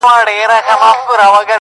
جادو ګر کړلې نارې ویل یې خدایه؛